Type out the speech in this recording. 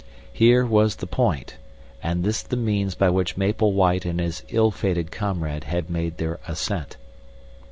Here was the point, and this the means by which Maple White and his ill fated comrade had made their ascent.